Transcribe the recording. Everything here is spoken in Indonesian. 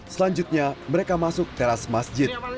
selanjutnya mereka masuk teras masjid